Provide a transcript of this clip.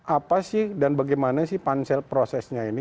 apa sih dan bagaimana sih pansel prosesnya ini